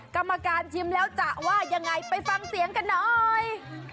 กรรมการชิมแล้วจะว่ายังไงไปฟังเสียงกันหน่อย